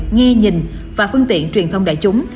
nghe nhìn và phương tiện truyền thông đại chúng